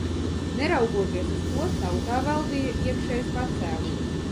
Neraugoties uz to, tautā valdīja iekšējs pacēlums.